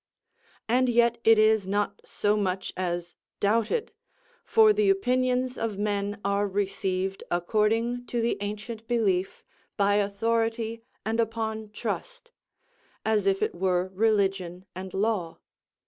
And yet it is not so much as doubted; for the opinions of men are received according to the ancient belief, by authority and upon trust, as if it were religion and law.